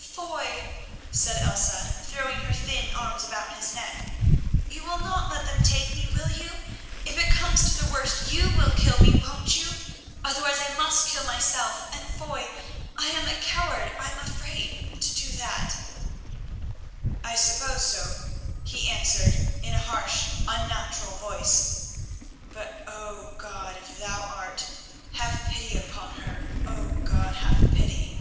"Oh! Foy," said Elsa, throwing her thin arms about his neck, "you will not let them take me, will you? If it comes to the worst, you will kill me, won't you? Otherwise I must kill myself, and Foy, I am a coward, I am afraid—to do that." "I suppose so," he answered in a harsh, unnatural voice, "but oh! God, if Thou art, have pity upon her. Oh! God have pity."